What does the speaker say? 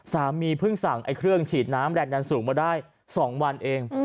สามีเพิ่งสั่งเครื่องฉีดน้ำแรงดันสูงมาได้๒วันเอง